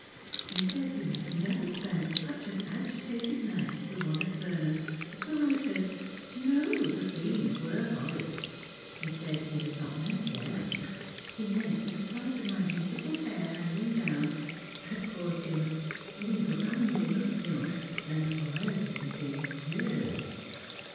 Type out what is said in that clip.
He said he had never spent such an agitated night as the one at Vernon. So I said No, the fleas were horrid. He said he had not meant them; he meant that the sight of my beautiful hair hanging down had caused him "une grande émotion" and "rêves délicieux."